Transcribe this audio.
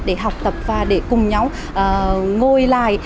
để học tập và để cùng nhau ngồi lại